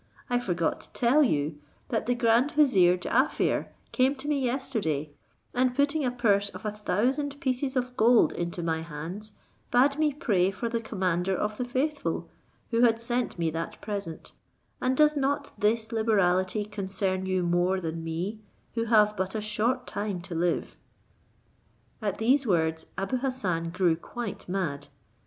I forgot to tell you, that the grand vizier Jaaffier came to me yesterday, and putting a purse of a thousand pieces of gold into my hands, bade me pray for the commander of the faithful, who had sent me that present; and does not this liberality concern you more than me, who have but a short time to live?" At these words Abou Hassan grew quite mad.